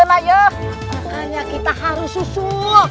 makanya kita harus susul